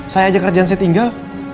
saya aja kerjaan saya tinggal